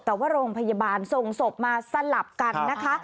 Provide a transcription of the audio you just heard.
แต่ว่าโรงพยาบาลส่งศพมาสลับกันนะคะ